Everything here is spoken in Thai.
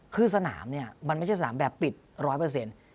คือสนามเนี่ยมันไม่ใช่สนามแบบปิดร้อยเปอร์เซ็นต์